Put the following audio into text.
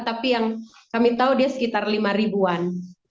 tapi yang kami tahu dia sekitar lima ribuan